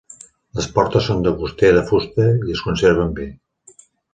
Les portes són de coster de fusta i es conserven bé.